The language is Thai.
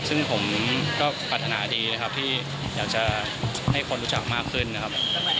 ซึ่งผมก็ปรารถนาดีนะครับที่อยากจะให้คนรู้จักมากขึ้นนะครับ